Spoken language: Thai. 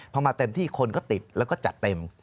พอมาเต็มที่คนก็ติดแล้วก็จัดเต็ม